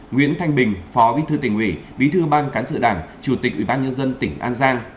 nguyễn thanh bình phó bí thư tỉnh ủy bí thư ban cán sự đảng chủ tịch ủy ban nhân dân tỉnh an giang